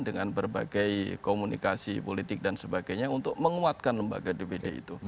dengan berbagai komunikasi politik dan sebagainya untuk menguatkan lembaga dpd itu